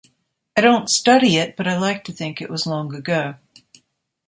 I don't study it, but I like to think it was long ago